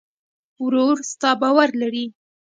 ورور ستا باور لري.